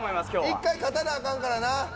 １回勝たなあかんからな。